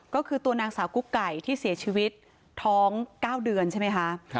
ก็คือตัวนางสาวกุ๊กไก่ที่เสียชีวิตท้อง๙เดือนใช่ไหมคะ